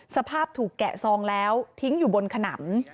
สภาพถูกแกะซองแล้วทิ้งอยู่บนขนำ